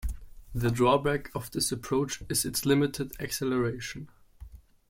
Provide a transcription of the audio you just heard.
The drawback of this approach is its limited acceleration.